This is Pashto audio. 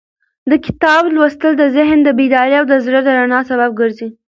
د کتاب لوستل د ذهن د بیدارۍ او د زړه د رڼا سبب ګرځي.